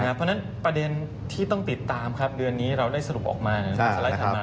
เพราะฉะนั้นประเด็นที่ต้องติดตามครับเดือนนี้เราได้สรุปออกมาสไลด์ถัดมา